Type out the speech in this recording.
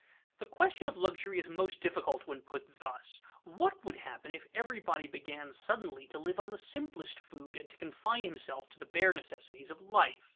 _ The question of luxury is most difficult when put thus: What would happen if everybody began suddenly to live on the simplest food and to confine himself to the bare necessities of life?